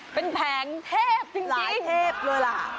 เป็นแผงเทพจริงสีเทพเลยล่ะ